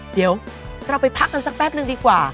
เดี๋ยวเราไปพักกันสักแป๊บนึงดีกว่า